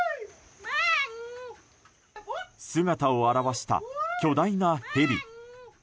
姿を現した、巨大なヘビ。